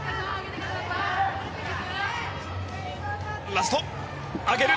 ラスト、上げる！